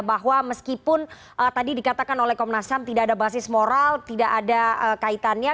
bahwa meskipun tadi dikatakan oleh komnas ham tidak ada basis moral tidak ada kaitannya